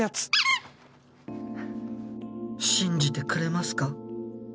信じてくれますか？